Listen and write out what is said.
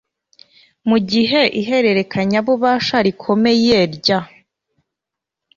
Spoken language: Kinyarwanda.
mugihe ihererekanyabubasha rikomeye rya